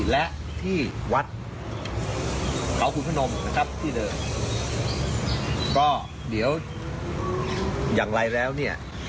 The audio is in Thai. และที่วัดเขาขุนพนมนะครับที่เดินก็เดี๋ยวอย่างไรแล้วเนี่ย